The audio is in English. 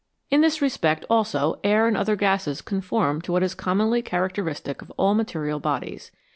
In this respect also air and other gases conform to what is commonly character istic of all material bodies.